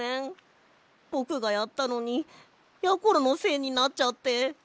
ぼくがやったのにやころのせいになっちゃって。